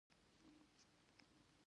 ابدالي یو ځل بیا پنجاب ته ولاړ.